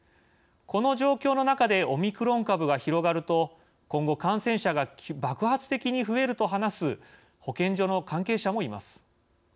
この状況の中でオミクロン株が広がると今後感染者が爆発的に増えると話す保健所の関係者もいます。